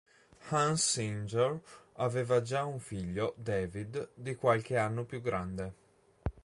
Hans Singer aveva già un figlio, David, di qualche anno più grande.